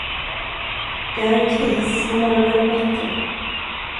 Det är en kris, i morgon är du bättre.